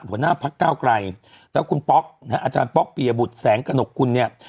หัวหน้าพักเก้าไกลแล้วคุณป๊อกนะฮะอาจารย์ป๊อกปียบุตรแสงกระหนกกุลเนี่ย